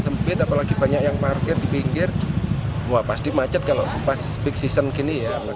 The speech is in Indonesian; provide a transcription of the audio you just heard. sempit apalagi banyak yang parkir di pinggir wah pasti macet kalau pas big season gini ya